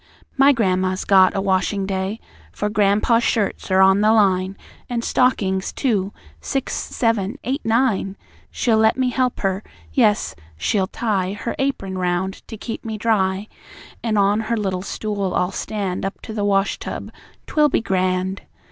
My gran'ma's got a washing day; For gran'pa's shirts are on the line, An' stockings, too six, seven, eight, nine! She'll let me help her. Yes, she'll tie Her apron round to keep me dry; An' on her little stool I'll stand Up to the wash tub. 'Twill be grand!